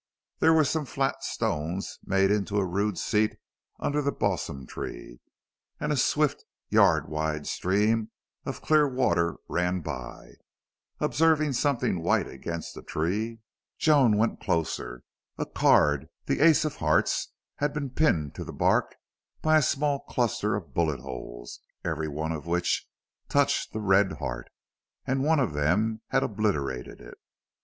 There were some flat stones made into a rude seat under the balsam tree, and a swift, yard wide stream of clear water ran by. Observing something white against the tree, Joan went closer. A card, the ace of hearts, had been pinned to the bark by a small cluster of bullet holes, every one of which touched the red heart, and one of them had obliterated it.